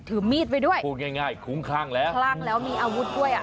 ถือมีดไปด้วยพูดง่ายง่ายคุ้มคลั่งแล้วคลั่งแล้วมีอาวุธด้วยอ่ะ